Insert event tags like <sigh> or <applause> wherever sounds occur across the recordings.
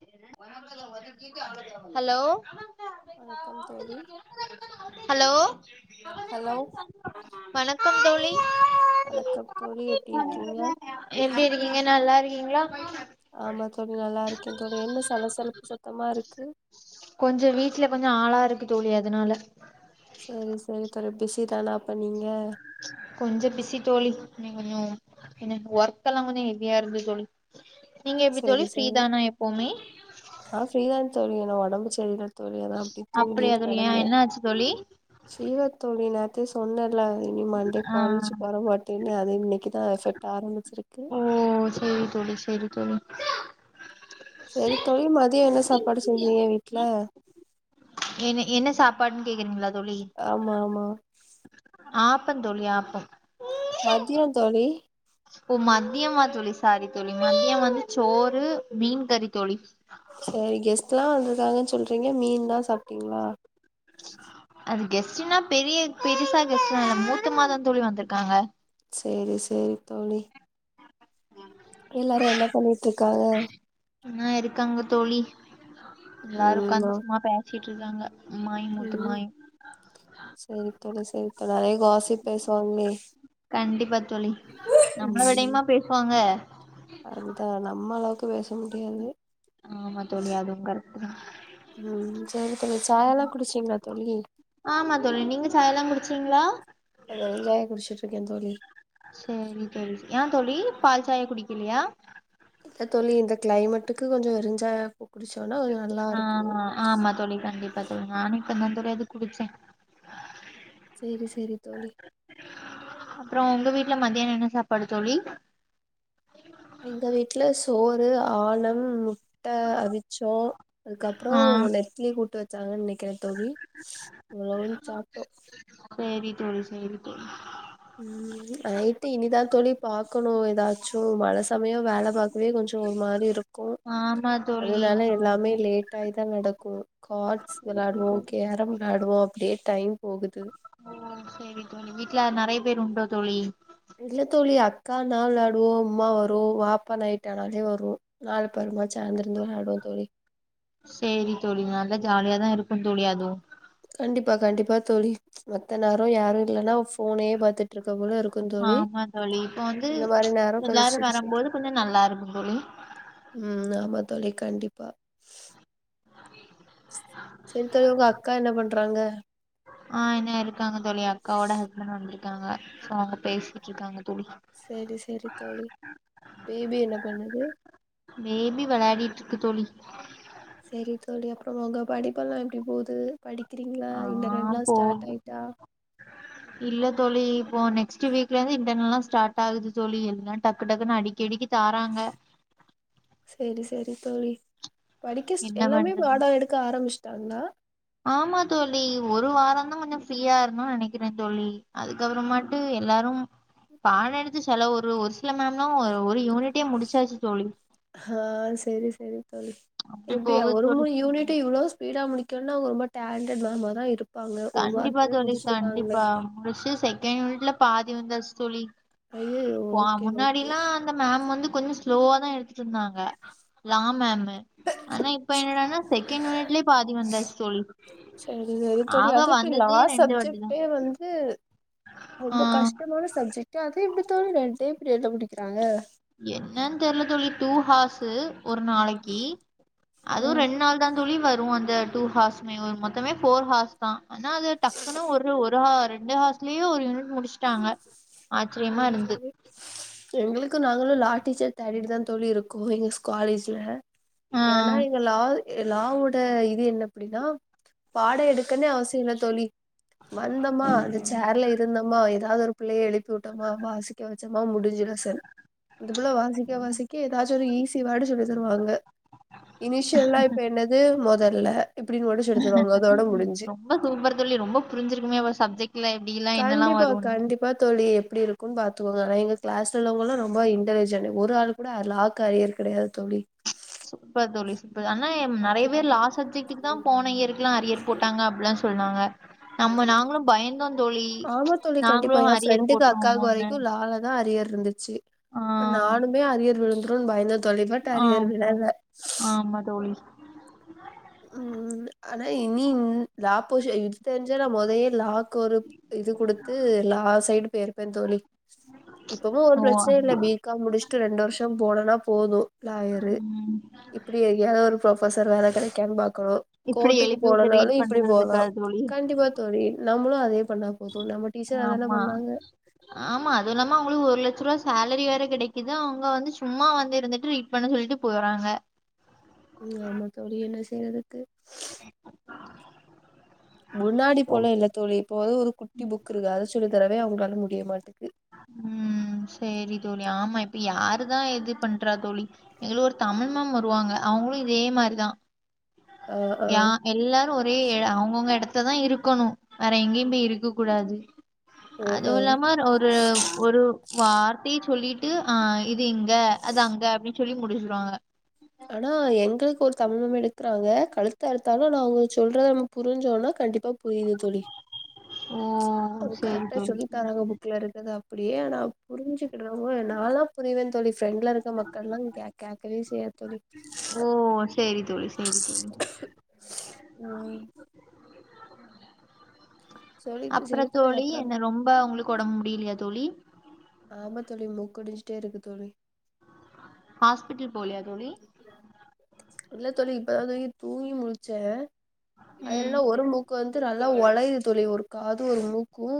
<unintelligible> Hello வணக்கம் தோழி hello hello வணக்கம் தோழி வணக்கம் தோழி எப்டி இருக்கீங்க எப்டி இருக்கீங்க நல்லா இருக்கீங்ளா ஆமா தோழி நல்லா இருக்கே தோழி என்ன சலசலப்பு சத்தமா இருக்கு கொஞ்ச வீட்ல கொஞ்ச ஆளா இருக்கு தோழி அதுனால சேரி சேரி தோழி பிஸி தானா அப்ப நீங்க கொஞ்ச பிசி தோழி இன்னைக்கி கொஞ்சோ எனக் ஒர்க்கெல்லா கொஞ்ச எவியா இருந்தது தோழி நீங்க எப்டி செரி தோழி செரி ஃப்ரீதானா எப்பவுமே ஆ ஃப்ரீதா தோழி நா ஒடம்பு செரில தோழி அதா அப்டி தூங்கி அப்டியா தோழி ஏ கெடந்த என்ன ஆச்சு தோழி ஃபீவர் தோழி நேத்த சொன்னேல்ல இனிமண்டே ஆ காலேஜ்கு வரமாட் என்ன அது இன்னைக்குதா எஃபெக்ட் ஆரம்பிச்சிருக்கு ஓ செரி தோழி செரி தோழி செரி தோழி மதியோ என்ன சாப்பாடு செஞ்சீங்க வீட்ல என்ன என்ன சாப்பாட்னு கேக்குறீங்ளா தோழி ஆமா ஆமா ஆப்பந் தோழி ஆப்போ மதியோ தோழி ஓ மதியமா தோழி சாரி தோழி மதியம் வந்து சோறு மீன் கறி தோழி செரி கெஸ்டு லா வந்திருக்காங்கன் சொல்றீங்க மீன் தா சாப்டிங்ளா அது கெஸ்டுன்னா பெரிய பெருசா கெஸ்டு லா இல்ல மூத்தமா தா தோழி வந்திருக்காங்க செரி செரி தோழி எல்லாரு என்ன பண்ணிட்டு இருக்காங்க ஆ இருக்காங்க தோழி எல்லாரு ம் உக்காந்து சும்மா பேசிட்ருக்காங்க ம் செரி தோழி செரி தோழி நெறைய காசிப் பேசுவாங்ளே கண்டிப்பா தோழி நம்மள ம் விடயுமா பேசுவாங்க அதுதா நம்ம அளவுக்கு பேச முடியாது ஆமா தோழி அதுவு கரெக்டு தா ம் செரி தோழி சாயால்லா குடுச்டீங்ளா தோழி ஆமா தோழி நீங்க சாயால்லா குடுச்சீங்ளா நா வெறுஞ்சாயோ குடுச்சிட்ருக்கே தோழி செரி தோழி ஏ தோழி பால்ச் சாயா குடிக்கலியா இத தோழி இந்த க்ளைமேட்டுக்கு கொஞ்ச வெருஞ்சாயா கு குடிச்சோனா கொஞ்ச ஆ நல்லாயிர்க்கூ ஆமா தோழி கண்டிப்பா தோழி நானு இப்பதா தோழி அது குடிச்சே சேரி சேரி தோழி அப்றோ உங்க வீட்ல மதியனோ என்ன சாப்பாடு தோழி எங்க வீட்ல சோறு ஆணம் முட் ட்ட அவிச்சோ அதுக்கப்றோ ஆ ஒன்னேத் இட்லி கூட்டு வச்சாங்கன் நினைக்ற தோழி எவ்ளவுன் சாப்ட்டோ சேரி தோழி சேரி தோழி நைட்டு இனிதா தோழி பாக்கணு ஏதாச்சு மழ சமயு வேல பாக் அதுவே கொஞ்ச ஒரு மாரியிருக்கொ ஆமா தோழி அதனால எல்லாமே ஆமா லேட் டாதா நடக்கு கார்ட்ஸ் விளாடுவோ கேரம் விளாடுவோ அப்டியே டைம் போகுது ஓ சரி தோழி வீட்டுல நெறைய பேரு உண்டோ தோழி இல்ல தோழி அக்கா நா விளாடுவோம் உம்மா வரு வாப்பா நைட் ஆனாலே வரு நாலு பெருமா சேந்து இருந்து விளாடுவோ தோழி சேரி தோழி நல்லா ஜாலியாதா இருக்கூ தோழி அதுவு கண்டிப்பா கண்டிப்பா தோழி மத்த நேர யாரு இல்லன்னா போனே பாத்துட்ருக்க போல இருக்கு தோழி ஆமா தோழி இப்போ வந்து இந்த மாரி நேரோ கொஞ்சோ எல்லாரு சிரிச்சிட்டு வரும்போது இருப்போ கொஞ்ச நல்லாருக்கு தோழி ம் ஆமா தோழி கண்டிப்பா சரி தோழி உங்கக்கா என்ன பண்றாங்க ஆ என்ன இருக்காங்க தோழி அக்காவோட ஹஸ்பண்ட் வந்திருக்காங்க சோ அவங்க பேசிட்ருக்காங்க தோழி சரி சரி தோழி பேபி என்ன பண்ணுது பேபி விளையாடிட்ருக்கு தோழி சரி தோழி அப்பற உங்க படிப்பெல்லா எப்டி போது படிக்கிறீங்களா ஆ இன்டர்நெட்லா ஸ்டார்ட் போ ஆயிட்டா <inaudible> இல்ல தோழி இப்போ நெக்ஸ்ட் வீக்லதா இன்டர்னெல்லா ஸ்டார்ட் ஆகுது தோழி எல்லா டக்கு டக்குன்னு அடிக்க கெடிக்க தாராங்க சரி சரி தோழி படிக்க ஸ் என்ன எல்லாமே பண்றது பாட எடு க்க ஆரம்பிச்சுட்டாங்களா ஆமா தோழி ஒரு வாரந்தா கொஞ்ச ஃப்ரீயா இருந்தம்னு நெனைக்கிறே தோழி அதுக்கப்புறமா விட்டு எல்லாரு பாட எடுத்து செல ஒரு சில மேம்னா ஒரு யூனிட்டே முடிச்சாச்சு தோழி ஆ சரி சரி தோழி அப்டி எப்டியா போகுது ஒரு தோழி மூணு யூனிட் இவ்ளோ ஸ்பீடா முடி இன்ன அவங்க ரொம்ப டேலண்டட் மேமாதா இருப்பா ஒரு வாரத்துல முடிச்சிருக்காங்களே பஷ செகண்ட் யூனிட்ல பாதி வந்தாச்சு தோழி அய்யயோ போ ஓகே ஓகே முன்னாடிலா அந்த மேம் வந்து கொஞ்ச ஸ்லோவ தா எடுத்துட்ருந்தாங்க லா மேம்மு ஆனா இப்ப என்னடனா செகண்ட் யூனிட்லயே பாதி வந்தாச்சி தோழி சரி சரி தோழி ஆக அது எப்டி லா வந்ததே ரெண்டு வாட்டி தா சப்ஜெக்ட்டே வந்து ஆ ரொம்ப கஷ்டமான சப்ஜெக்ட் அத எப்டித்தோழி ரெண்டே பீரியட்ல முடிக்கிறாங்க என்னன் தெரியல தோழி டூ ஹாஸ்சு ஒரு நாளைக்கு அதுவு ம் ரெண் நாள் தா துளி வரு அந்த டூ ஹார்ஸ்மே வரு மொத்தமே ஃபோர் ஹார்ஸ் தா ஆனா அது டக்குன்னு ஒரு ஒரு ஆ ரெண்டு ஹார்ஸ்லயே ஒரு யூனிட் முடிச்சுட்டாங்க ஆச்சரியமா இருந்து சேரி சரி எங்களுக்கு நாங்களு லா டீச்சர் தேடிட்டுதா தோழி இருக்கோ எங்க ஸ் காலேஜ்ல ஆ ஏனா இங்க லால் இது லாவோட இது என்ன அப்டின்னா பாட எடுக்கன்னே அவசியோ இல்ல தோழி வந்தமா அந்த சேர்ல இருந்தமா எதாது ஒரு பிள்ளைய எழுப் பி வுட்டமா வாசிக்க வச்சமா முடிஞ்சத சென் அந்த புள்ள வாசிக்க வாசிக்க எதாச்சு ஒரு ஈஸி வேடு சொல்லி தருவாங்க இனிஷியல்னா இப்ப என்னது மொதல்ல இப்டின் மட்டு சொல்லி தருவாங்க அதோட முடிஞ்சு ரொம்ப சூப்பர் தோழி ரொம்ப புஞ்சிருக்குமே அப்ப சப்ஜெக்ட்ல எப்டில்லா என்னல்லா வருன்னு அப்ப தோழி எப்டி இருக்குன் பாத்துக்கோங்க நா எங்க கிளாஸ்ல உள்ளவங்கலா ரொம்ப இன்டலிஜெண்ட்டு ஒரு ஆளு லாக்கு அரியர் கெடையாது தோழி இப்ப தோழி இப்பது ஆனா நறைய அப்டி பேர் லா சப்ஜெக்ட்டுக் தா போன இயருக்குல்லா அரியர் போட்டாங்க அப்புல்லா சொன்னாங்க நம்ம நாங்களு பயந்தோ தோழி ஆமா தோழி நாங்களு கண்டிப்பா ஏன் அரியர் ஃப்ரெண்டுக்கு அக்காவுக்கு போட்ருவோமோன்னு வரைக்கு லால தா அரியர் விழுந்துச்சு ஆ அப்ப நானுமே அரியர் விழுந்துருன் பயந்தே தோழி பட் அரியர் ஆமா விழல ஆமா தோழி ம் ஆனா இனி ம் லா பொஷன் தெரிஞ்சா நா மொதயே லாக்கு ஒரு இது குடுத்து லா சைடு பேருப்பே தோழி இப்பவு ஒரு ஓ பிரச்சனயு இல்ல பீ காம் முடிச்சுட்டு ரெண்டு வர்ஷோ போனனா போது லாயரு ம் இப்டி ஏரியால ஒரு புரொஃபசர் வேல கெடைக்கான்னு பாக்கணு இப்டி கோர்ட்டுக்கு எழுப்பி விட்டு போனுனாலு ரீட் இப்டி போலா பண்றதுக்கா தோழி கண்டிப்பா தோழி நம்முளு அதே பண்ணா போது நம்ம டீச்சரு அதான ஆமா பண்ணாங்க ஆமா அது இல்லாம அவுங்களுக்கு ஒரு லட்ச ருவா சேலரி வேற கெடைக்குது அவுங்க வந்து சும்மா வந்து இருந்துட்டு பண்ண சொல்லிட்டு போறாங்க ம் ஆமா தோழி என்ன செய்றதுக்கு முன்னாடி போல இல்ல தோழி இப்போ அது ஒரு குட்டி புக்குருக்கு அத வச்சி சொல்லி தரவே அவங்களால முடிய மாட்டுக்கு ம் சேரி தோழி ஆமா இப்ப யாரு தா எது பண்றா தோழி எங்ளு ஒரு தமிழ் மேம் வருவாங்க அவுங்ளு இதே மாரிதா ஆ ஆ யா எல்லாரு ஒரே எ அவுங்கவுங்க எடத்ததா இருக்கணு வேற எங்கியு பே இருக்க கூடாது அ ஆ அதுவு இல்லாம ஒரு ஒரு வார்த்தைய சொல்லிட் ட்டு அ இது இங்க அது அங்க அப்டின் சொல்லி முடிச்சிருவாங்க ஆனா எங்குளுக்கு ஒரு தமிழ் மேம் எடுக்கறாங்க கழுத்த அறுத்தாலு நா அவுங்க சொல்றத புரிஞ்சோனா கண்டிப்பா புரியுது தோழி ஓ அவுங்க சேரி கரெக்ட்டா தோழி சொல்லி சரி. தராங்க புக் குல இருக்கறது அப்டியே ஆனா புரிஞ்சிக்கிடுறவங்க நாலா புரிவே தோழி ஃப்ரண்ட்ல இருக்க மக்கள்லா கே கேக்கவே செய்யாது தோழி ஓ சேரி தோழி சேரி தோழி ம் சொல்லிட்டு அப்ற சரி தோழி அப்புறமா என்ன ரொம்ப உங்களுக்கு ஒடம்பு முடிலியா தோழி ஆமா தோழி மூக்கு வடிஞ்சுட்டே இருக்கு தோழி ஹாஸ்பிட்டல் போலியா தோழி இல்ல தோழி இப்பதா தோழி தூங்கி முழிச்சே அது ம் என்னன்னா ஒரு மூக் க்கு வந்து நல்லா ஒளயுது தோழி ஒரு காது ஒரு மூக்கு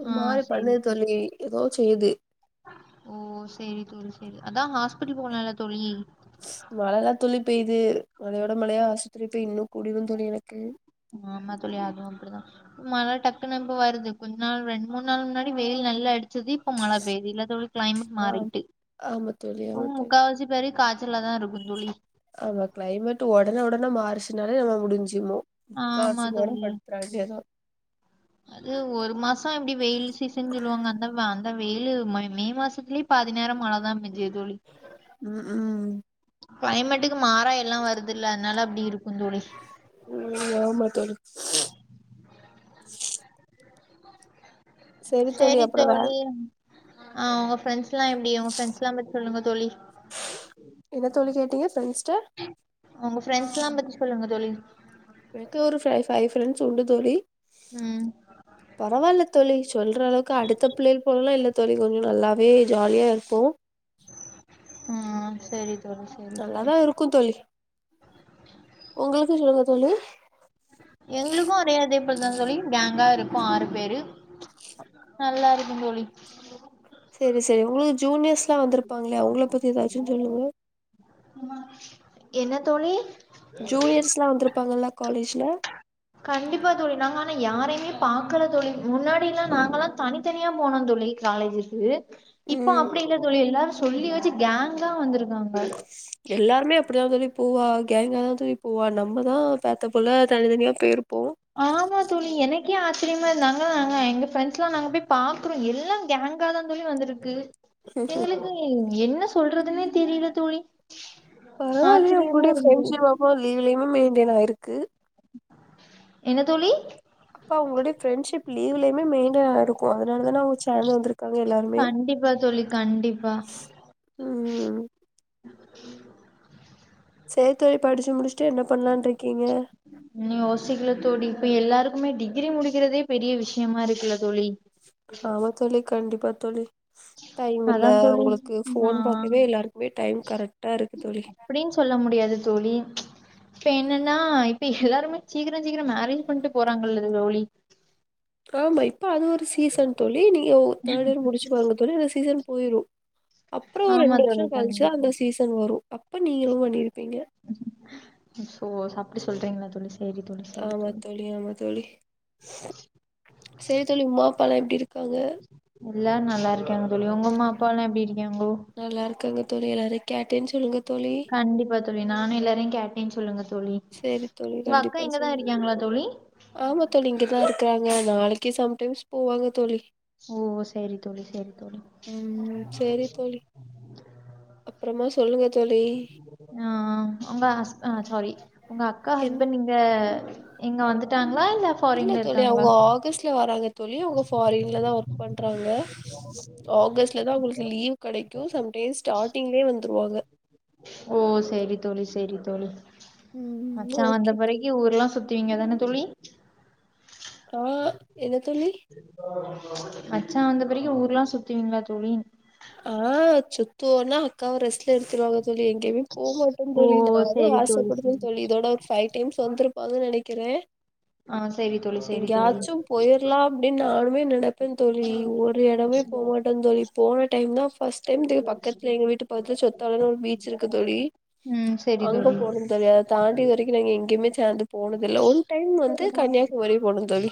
ஒரு ஆ மாரி பண்ணுது சேரி தோழி எதோ செய்யுது ஓ சேரி தோழி சேரி அதா ஹாஸ்பிட்டல் போலால தோழி மழ தா தோழி பெய்யுது மழையோட மழையா ஆஸ்பத்திரி போய் இன்னு கூடிரு தோழி எனக்கு ஆமா தோழி அது அப்டிதா மழ டக்குனு இப்ப வருது கொஞ்ச நாள் ரெண் மூண் நாள் முன்னாடி வெயில் நல்லா அடிச்சிது இப்ப மழ பெய்யுது இல்ல தோழி க்ளைமட் ஆ மாறிட்டி ஆமா தோழி ஆமா பும் தோழி முக்காவாசி பேரு காச்சல்ல தா இருக்கு தோழி ஆமா க்ளைமேட்டு ஒடனே ஒடனே மாறுச்சுனாலே நம்ம முடிஞ்சிமோ ஆமா முக்காவாசி பேரே தோழி படுத் ராடியாதா அது ஒரு மாச எப்டி வெயில் சீசன் ஜொல்வாங்க அந்தம அந்த வெய்லு மய் மே மாசத்துலேப் பாதி நேர மழ தா பென்ஜெ தோழி ம் ம் க்ளைமேட்டுக்கு மாறய்ன் ல்லா வருதுல அன்னால அப்டி இருக்கு தோழி ம் ஆமா தோழி செரி சேரி அப்றோ வே தோழி ம் அ உங்க ஃப்ரெண்ட்ஸ்ல்லா எப்டி உங்க ஃப்ரெண்ட்ஸ்ல்லா பத் சொல்லுங்க தோழி என்ன தோழி கேட்டீங்க ஃப்ரெண்ஸ்ட்ட உங்க ஃப்ரெண்ஸ்ல்லா பத்தி சொல்லுங்க தோழி வென்க்கு ஒரு ஃப்ரை ஃபை ஃப்ரெண்ட்ஸு உண்டு தோழி ம் பரவால்ல தோழி சொல்ற அளவுக்கு அடுத்த பிள்ளைள் போலல்லா இல்ல தோழி கொஞ்சு நல்லாவே ஜாலியா இர்ப்போ உம் செரி தோழி செரி தோழி நல்லாதா இருக்கு தோழி உங்களுக்கு ஷொல்லுங்க தோழி எங்ளுக்கு அதே அதே போல் தா தோழி கேங்கா இருப்போ ஆறு பேரு நல்லா இருக்கும் தோழி செரி செரி உங்க்ள் ஜூனியஸ்ல்லா வந்துருப்பாங் இல்லையா அவ்ங்கள பத்தி எதாச்சுன் சொல்லு ஓ என்ன தோழி ஜூனியர்ஸ்லா வந்துருப்பாங்கல்ல காலேஜ்ல கண்டிப்பா தோழி நாங்க ஆனா யாரையுமே பாக்கல தோழி முன்னாடிலா நாங்கல்லா தனித்தனியா போனோன் தோழி காலேஜுக்கு இப்ப ம் அப்டி இல்ல தோழி எல்லாரு சொல்லி வச்சி கேங்கா வந்துருக்காங்க எல்லாருமே அப்டிதா தோழி பூவா கேங்கா தா தொழிப் ஊவா நம்ம தா பேத்த புல்ல தனித்தனியா போய்ருப்போ ஆமா தோழி எனக்கே ஆச்சரியமா இருந்த நாங்க நாங்க எங்க ஃப்ரெண்ஸ்லா நாங்க போய் பாக்குறோ எல்லாம் கேங் ங்கா தா தோழி வந்துருக்கு சே சே உம் எங் என்ன சொல்றதுன்னே தெரில தோழி பரவால்லியே ஆச்சரியமா உங்ளுடைய இருந்தது ஃப்ரெண்ட்ஷிவ் அப்போ லீவுலயுமே மெயின்டெய்ன் ஆயிருக்கு என்ன தோழி பா உங்களுடைய ஃப்ரெண்டஷிப் லீவ்லயுமே மெயின்டெய்ன் ஆய்ருக்கோ அதனால தான அவு ச்சி தேந்து வந்துருக்காங்க எல்லாருமே கண்டிப்பா தோழி கண்டிப்பா ம்ம்ம் சேர் தொழி படிச்சு முடிச்ட்டு என்ன பண்லான் ன்ருக்கீங்க இன்னு யோசிக்ல தோழி இப்பெ எல்லாருக்குமே டிக்கிரி முடிக்கிறதே பெரிய விஷ்யமா இருக்குல தோழி ஆமா தோழி கண்டிப்பா தோழி டைம் இல்ல அதா தோழி உங்களுக்கு ஆ ஃபோன் பாக்கவே எல்லார்க்குமே டைம் கரட்டா இருக்கு தோழி அப்டின்னு சொல்ல முடியாது தோழி ப்ப என்னன்னா இப்ப ஹெல்லாருமே சீக்கிர சீக்கிர மேரேஜ் பண்ட்டு போறாங்கல்ல லோழி ஆமா இப்ப அது ஒரு சீசன் தோழி நீங்கவ் தேர்ட் அரு முடிச்சி பாருங்க தோழி எ சீசன் போய்ரு அப்றோ ஒ ஆமா ரெண்டு வர்ஷோ தோழி கழிச்யே கண்டிப்பா அந்த சீசன் வரு அப்ப நீங்களு வண்ணிருப்பீங்க சோ சப்டி சொல்றீங்களா தோழிஸ் ஆமா தோழி ஆமா தோழி சேரி தோழி உமா அப்பாலா எப்டி இருக்காங்க எல்லாரு நல்லாருக்காங்க தோழி உங்க அம்மா அப்பால்லா எப்டி இரிக்காங்கோ நல்லாருக்கங்க தோழி எல்லாரையு கேட்டேன் சொல்லுங்க தோழி கண்டிப்பா தோழி நானு எல்லாரையு கேட்டேன் சொல்லுங்க தோழி சரி தோழி உங்க கண்டிப்பா அக்கா இங்கதா சொல்லுங்க இரிக்காங்களா தோழி ஆமா தோழி இங்கதா இருக்குறாங்க நாளைக்கே சம்டைம்ஸ் போவாங்க தோழி ஓ செரி தோழி செரி தோழி ம் அப்பறமா சொல்லுங்க தோழி ஆ உங்க ஹஸ் சாரி உங்க அக்கா என் ஹஸ்பண்ட் இங்க இங்க வந்துட்டாங்களா இல்ல இல்ல ஃபாரின்ல தோழி இருக்காங்களா அவங்க ஆகஸ்ட்ல வராங்க தோழி அவங்க ஃபாரின்லதா ஒர்க் பண்றாங்க ஆகஸ்ட்லதா அவங்களுக்கு லீவ் கெடைக்கு சம்டைம்ஸ் ஸ்டார்டிங்லயே வந்துருவாங்க ஓ செரி தோழி செரி தோழி ம் மச்சா வந்த ஓகே தோழி பிறகு ஊர்ல்லா சுத் துவீங்க தான தோழி ஆ என்ன தோழி மச்சா வந்த பிறகு ஊர்லா சுத்துவீங்களா தோழி ஆ சுத்துவோனா அக்காவ ரெஸ் கெடுத்துருவாங்க தோழி எங்கயுமே போக மாட்டோ ஓ தோழி நானு சேரி ஆசைப்படுற சேரி தோழி இதோட ஃபை டைம்ஸ் வந்துருப்பாங்கன் நெனைக்கிற ஆ செய் எங்கயாச்சு போயிரலா அப்டின் நானுமே நெனைப்பே தோழி ஒரு எடமே போமாட்டந் தோழி போ இன்னோ ஃபர்ஸ்ட் டைம் பக்கத்துல எங்க வீட்டுக் பக்கத்துல சொத்தாலன் ஒரு பீச் இருக்கு தோழி ம் சரி தோழி தரியா தாண்டி இது வரைக்கு நாங்க எங்கயுமே சாந்து போனதில்ல ஒன் டைம் வந்து கன்னியாகுமரி போனோ தோழி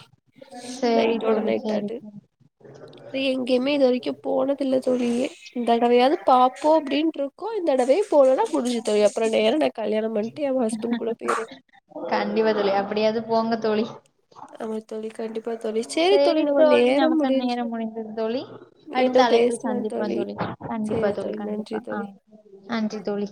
சேரி நைட்டோட தோழி நைட் சேரி ஆட்டு தோழி எங்கயுமே இது வரைக்கு போனதில்ல தோழி இந்த தடவையாவது பாப்போ அப்டின்டுருக்கோ இந்த தடவயு போலனா முடிஞ்சுது அப்பற நேர நாங் கல்யாணபன்ட்டு என் ஹஸ்பெண்ட் கூட போயிருவ கண்டிப்பா தோழி அப்டியாவது போங்க தோழி ஆமா தோழி கண்டிப் செரி தோழி நமக்கான நேரம் முடிந்தது தோழி அடுத்த மீண்டும் அழைப்பில் பேசலா சந்திப்போ தோழி கண்டிப்பா சேரி தோழி நன்றி கண்டிப்பா ஆ தோழி நன்றி தோழி